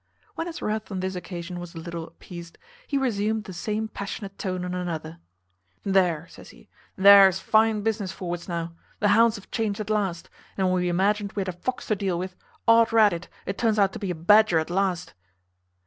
When his wrath on this occasion was a little appeased, he resumed the same passionate tone on another. "There," says he, "there is fine business forwards now. The hounds have changed at last; and when we imagined we had a fox to deal with, od rat it, it turns out to be a badger at last!"